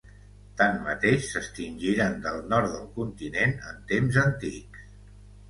Tanmateix, s'extingiren del nord del continent en temps antics.